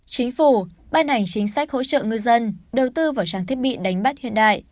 chính phủ ban hành chính sách hỗ trợ ngư dân đầu tư vào trang thiết bị đánh bắt hiện đại